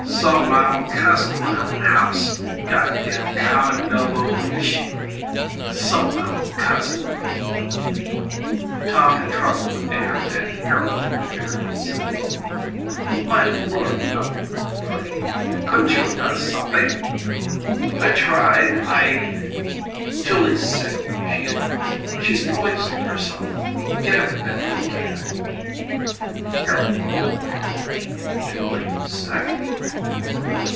"Sult m'own cousin m'own house. God damn common nouveau rish. 'Sult m'own cousin " "Tom had trouble with Ahearn and Harold interfered," said Milton. "My Lord Milton," cried Evylyn, "couldn't you have done something?" "I tried; I " "Julie's sick," she interrupted; "she's poisoned herself. Get him to bed if you can." Harold looked up. "Julie sick?"